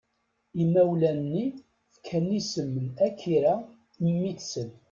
Imawlan-nni fkan isem n Akira i mmi-tsen.